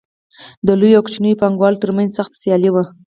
د لویو او کوچنیو پانګوالو ترمنځ سخته سیالي وه